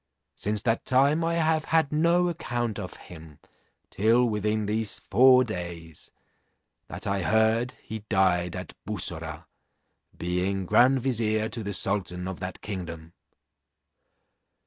Since that time I have had no account of him till within these four days, that I heard he died at Bussorah, being grand vizier to the sultan of that kingdom.